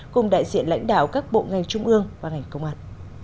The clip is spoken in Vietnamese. cùng đại diện lãnh đạo các bộ ngành trung ương và ngành công an